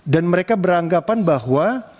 dan mereka beranggapan bahwa